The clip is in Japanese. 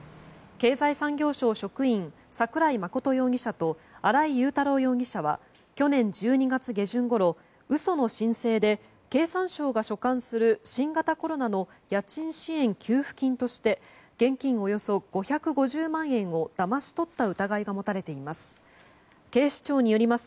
経済産業省職員、桜井真容疑者と新井雄太郎容疑者は去年１２月下旬ごろ嘘の申請で経産省が所管する新型コロナの家賃支援給付金として現金およそ５５０万円をだまし取った疑いが持たれています。